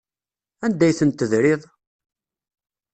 Anda ay ten-tedriḍ?